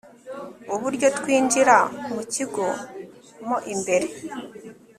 uburyo twinjira mukigo mo imbere